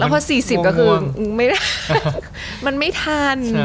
แล้วพอสี่สิบก็คือมันไม่ทัน